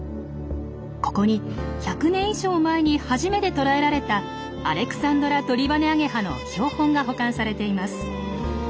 ここに１００年以上前に初めて捕らえられたアレクサンドラトリバネアゲハの標本が保管されています。